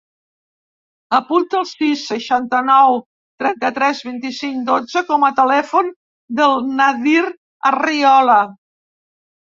Apunta el sis, seixanta-nou, trenta-tres, vint-i-cinc, dotze com a telèfon del Nadir Arriola.